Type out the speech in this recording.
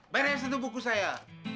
banyak yang sentuh buku saya